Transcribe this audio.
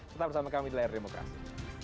tetap bersama kami di layar demokrasi